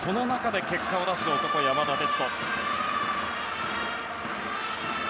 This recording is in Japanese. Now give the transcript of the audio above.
その中で結果を出す男、山田哲人。